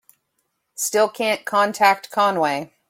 Still can't contact Conway.